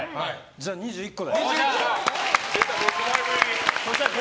じゃあ、２１個で。